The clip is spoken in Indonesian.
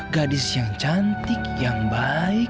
gadis yang cantik yang baik